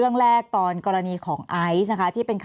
แอนตาซินเยลโรคกระเพาะอาหารท้องอืดจุกเสียดแสบร้อน